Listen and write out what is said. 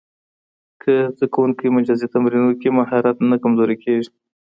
که زده کوونکی مجازي تمرین وکړي، مهارت نه کمزورې کېږي.